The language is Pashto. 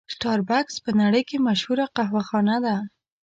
سټار بکس په نړۍ کې مشهوره قهوه خانه ده.